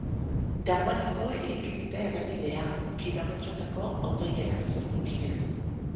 Dagoeneko ireki dute errepidea, kilometrotako auto-ilarak sortu ostean.